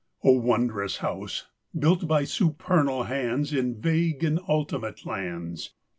VI O wondrous house, built by supernal hands In vague and ultimate lands!